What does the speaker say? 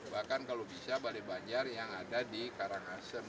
bahkan kalau bisa balai banjar yang ada di karangasem